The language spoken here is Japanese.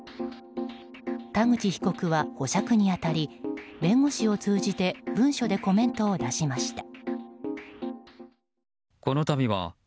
田口被告は保釈に当たり弁護士を通じて文書でコメントを出しました。